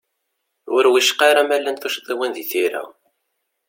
Ur wicqa ara ma llant tuccḍiwin di tira.